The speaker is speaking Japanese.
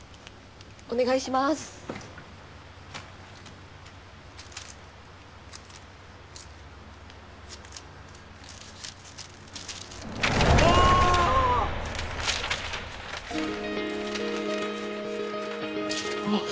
お願いしますあぁ！